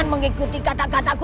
terima kasih kanjeng sultan